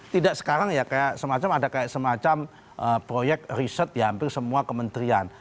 tidak sekarang ya kayak semacam ada kayak semacam proyek riset di hampir semua kementerian